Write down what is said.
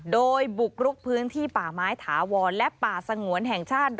โดยบุกรุกพื้นที่ป่าไม้ถาวรและป่าสงวนแห่งชาติ